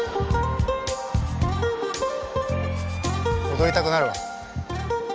踊りたくなるわ。